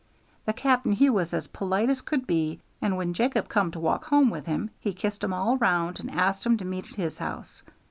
The cap'n he was as polite as could be, and when Jacob come to walk home with him he kissed 'em all round and asked 'em to meet at his house.